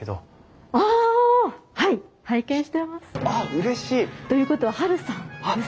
あっうれしい！ということはハルさんですよね？